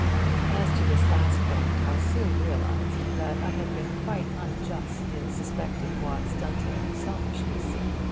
As to this last point, I soon realised that I had been quite unjust in suspecting Watts Dunton of selfishness.